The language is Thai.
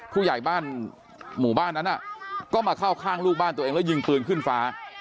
ผู้ใหญ่บ้านหมู่บ้านนั้นก็มาเข้าข้างลูกบ้านตัวเองแล้วยิงปืนขึ้นฟ้า